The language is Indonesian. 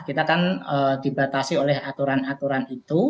kita kan dibatasi oleh aturan aturan itu